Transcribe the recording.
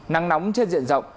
nắng nóng trên diện rộng